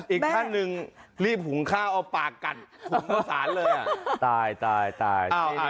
อีกท่านหนึ่งรีบหุงข้าวเอาปากกัดหุงเมื่อสานเลยอ่ะตายตายตายอ้าวอ่า